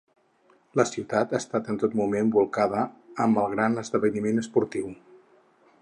La ciutat ha estat en tot moment bolcada amb el gran esdeveniment esportiu.